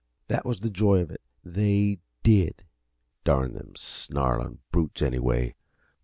That was the joy of it they did! "Darn them snarlin' brutes, anyway!